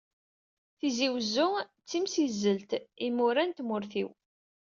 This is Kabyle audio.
Tizi Uzzu, timsizzelt "Imura n tmurt-iw."